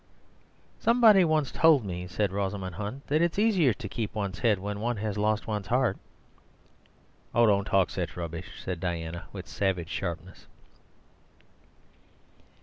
"Somebody once told me," said Rosamund Hunt, "that it's easier to keep one's head when one has lost one's heart." "Oh, don't talk such rubbish," said Diana with savage sharpness.